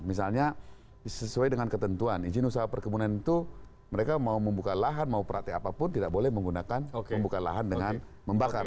misalnya sesuai dengan ketentuan izin usaha perkebunan itu mereka mau membuka lahan mau praktek apapun tidak boleh menggunakan membuka lahan dengan membakar